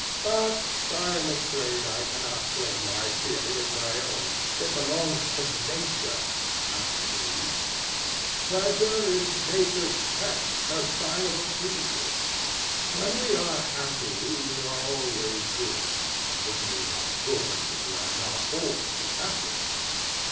"But I am afraid I cannot claim my theory as my own. It belongs to Nature, not to me. Pleasure is Nature's test, her sign of approval. When we are happy, we are always good, but when we are good, we are not always happy."